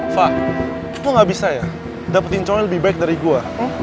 fah lo gak bisa ya dapetin cowok yang lebih baik dari gue